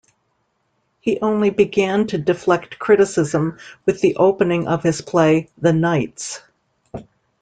He only began to deflect criticism with the opening of his play, "The Knights".